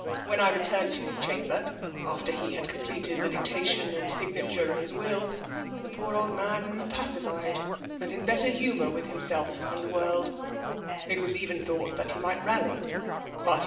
When I returned to Us chamber, aftica> he had completed the dictation and signature of his will, the poor old man grew pacified, and in better humour widi himself and the woridr FEHALB DOmNATION* 207 It was even thought he might rally ; but h6.